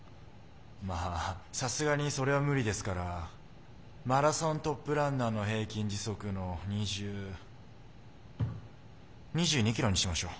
まあさすがにそれは無理ですからマラソントップランナーの平均時速の２０２２ｋｍにしましょう。